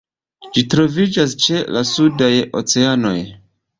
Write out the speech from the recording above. Ĝi troviĝas ĉe la sudaj oceanoj.